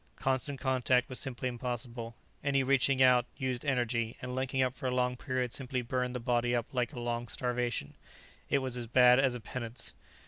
Constant contact was simply impossible; any reaching out used energy, and linking up for a long period simply burned the body up like a long starvation; it was as bad as a penance.